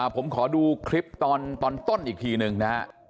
ผมขอดูคลิปตอนต้นอีกทีหนึ่งนะฮะ